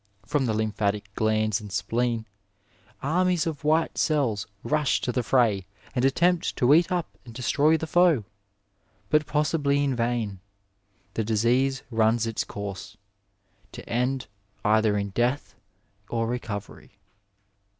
From the lymphatic glands and spleen, armies of white cells rush to the fray and attempt to eat up and destroy the foe, but possibly in vain ; the disease runs its course, to end either in death or recovery.